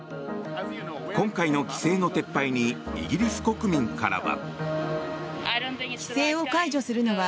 今回の規制の撤廃にイギリス国民からは。